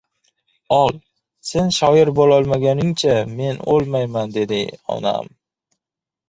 — Ol, sen shoir bo‘lmaguningcha men o‘lmayman, — dedi onam.